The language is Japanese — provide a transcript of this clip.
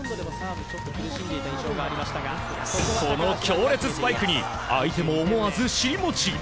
その強烈スパイクに相手も思わず尻もち。